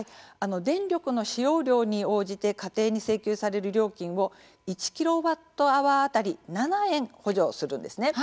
電力の使用量に応じて家庭に請求される料金を１キロワットアワー当たり７円補助するんです。